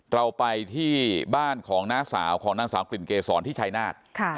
เราไปที่บ้านของน้าสาวของนางสาวกลิ่นเกษรที่ชายนาฏ